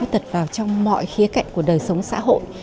trong mọi khía cạnh của đời sống xã hội